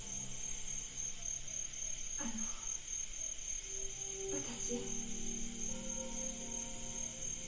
あの私。